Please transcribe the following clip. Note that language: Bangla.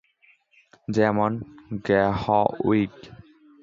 যেমন: গেহ উইগ!